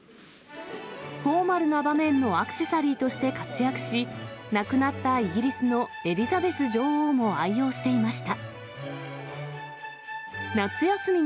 フォーマルな場面のアクセサリーとして活躍し、亡くなったイギリスのエリザベス女王も愛用していました。